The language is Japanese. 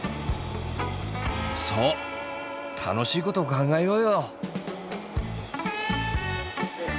そう楽しいことを考えようよ。